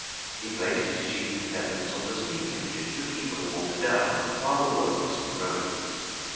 He placed his chief dependence on the steam engine to keep the water down while the work was in progress.